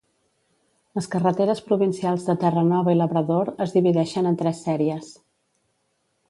Les carreteres provincials de Terranova i Labrador es divideixen en tres sèries.